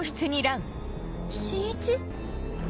新一？